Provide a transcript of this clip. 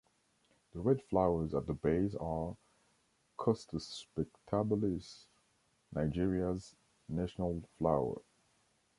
The red flowers at the base are "Costus spectabilis", Nigeria's national flower.